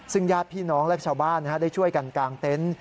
ซึ่งญาติพี่น้องและชาวบ้านได้ช่วยกันกางเต็นต์